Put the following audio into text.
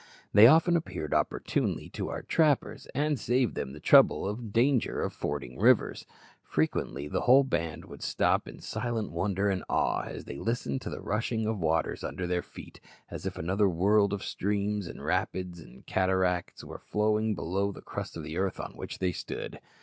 They often appeared opportunely to our trappers, and saved them the trouble and danger of fording rivers. Frequently the whole band would stop in silent wonder and awe as they listened to the rushing of waters under their feet, as if another world of streams, and rapids, and cataracts were flowing below the crust of earth on which they stood.